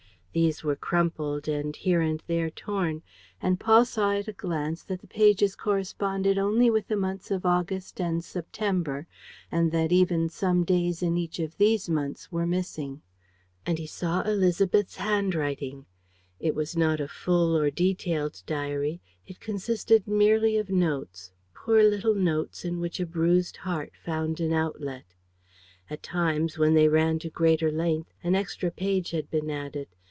These were crumpled and here and there torn; and Paul saw at a glance that the pages corresponded only with the months of August and September and that even some days in each of these months were missing. And he saw Élisabeth's handwriting. It was not a full or detailed diary. It consisted merely of notes, poor little notes in which a bruised heart found an outlet. At times, when they ran to greater length, an extra page had been added.